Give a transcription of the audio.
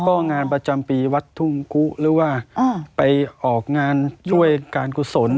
ก็งานประจำปีวัดทุ่งกุหรือว่าไปออกงานด้วยการกุศล